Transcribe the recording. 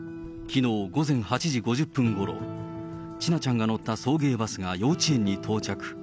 きのう午前８時５０分ごろ、千奈ちゃんが乗った送迎バスが幼稚園に到着。